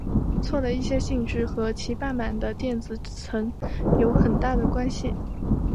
铕的一些性质和其半满的电子层有很大的关系。